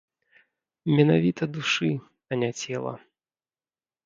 Менавіта душы, а не цела.